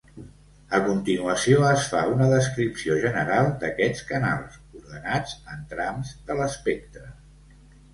A continuació es fa una descripció general d’aquests canals, ordenats en trams de l’espectre.